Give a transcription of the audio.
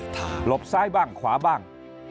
หลบซ้ายบ้างขวาบ้าง